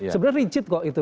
sebenarnya rigid kok itu